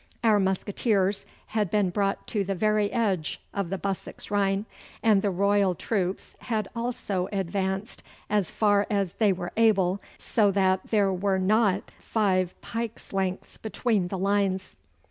Our musqueteers had been brought to the very edge of the Bussex Rhine, and the Royal troops had also advanced as far as they were able, so that there were not five pikes' lengths between the lines.